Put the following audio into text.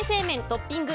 トッピング